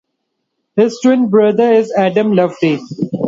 His twin brother is Adam Loveday.